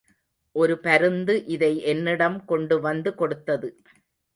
ஒரு பருந்து இதை என்னிடம் கொண்டு வந்து கொடுத்தது.